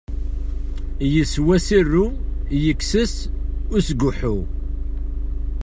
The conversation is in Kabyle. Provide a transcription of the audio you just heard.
Yeswa Sirru yekkes-as usguḥḥu.